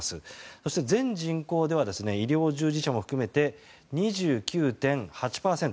そして全人口では医療従事者も含めて２９．８％。